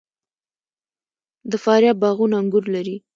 د فاریاب باغونه انګور لري.